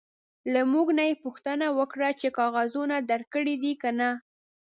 له موږ نه یې پوښتنه وکړه چې کاغذونه درکړي دي که نه.